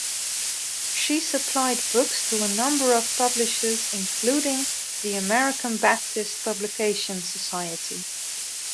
She supplied books to a number of publishers including the American Baptist Publication Society.